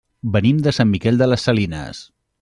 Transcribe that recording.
Venim de Sant Miquel de les Salines.